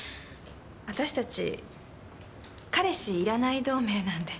私達彼氏いらない同盟なんで。